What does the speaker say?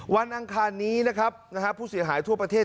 อังคารนี้นะครับผู้เสียหายทั่วประเทศ